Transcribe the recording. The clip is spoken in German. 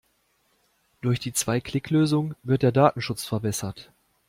Durch die Zwei-Klick-Lösung wird der Datenschutz verbessert.